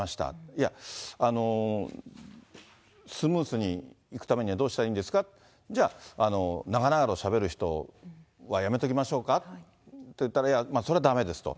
いや、スムーズにいくためにはどうしたらいいんですか、じゃあ、長々としゃべる人はやめときましょうかって言ったら、いや、それはだめですと。